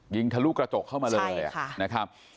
ยิงทะลุกระจกเข้ามาเลยอ่ะใช่ค่ะ